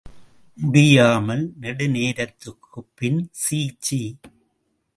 முடியாமல் நெடுநேரத்துக்குப் பின், சீசீ!